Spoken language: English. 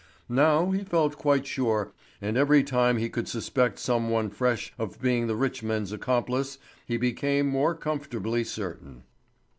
Now he felt quite sure, and every time he could suspect some one fresh of being the rich men's accomplice, he became more comfortably certain.